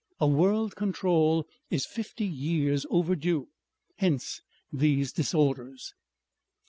A world control is fifty years overdue. Hence these disorders."